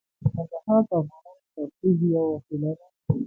کندهار د افغانانو د تفریح یوه وسیله ده.